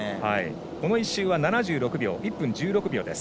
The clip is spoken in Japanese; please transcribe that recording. この１周は７６秒１分１６秒です。